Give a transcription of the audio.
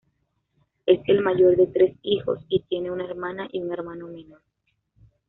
Es el mayor de tres hijos; tiene una hermana y un hermano menor.